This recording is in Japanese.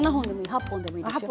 ８本でもいいですよ。